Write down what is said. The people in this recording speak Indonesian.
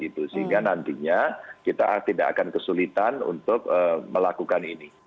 sehingga nantinya kita tidak akan kesulitan untuk melakukan ini